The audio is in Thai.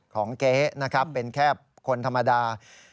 เก๋นะครับเป็นแค่คนธรรมดา